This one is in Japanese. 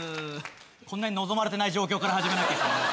こんなに望まれてない状況から始めなきゃいけない。